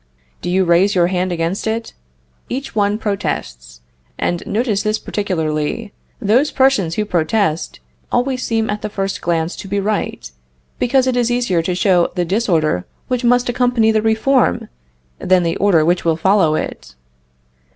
Do you raise your hand against it? Each one protests; and notice this particularly, those persons who protest always seem at the first glance to be right, because it is easier to show the disorder which must accompany the reform than the order which will follow it.